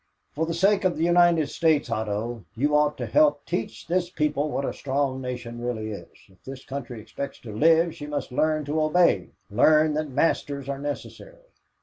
For the sake of the United States, Otto, you ought to help teach this people what a strong nation really is. If this country expects to live she must learn to obey learn that masters are necessary.